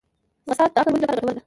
ځغاسته د عقل ودې لپاره ګټوره ده